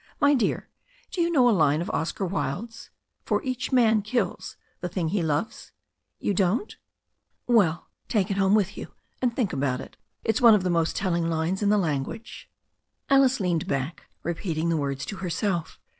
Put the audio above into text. My dear, do you know a line of Oscar Wilde's — 'For each win kills the thing he loves?* You don't. Well, take it «1 THE STORY OF A NEW ZEALAND RIVER 247 home with you, and think about it. It's one of the most telling lines in the language." Alice leaned back, repeating the words to herself.